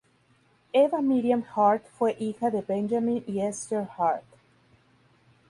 Eva Miriam Hart fue hija de Benjamin y Esther Hart.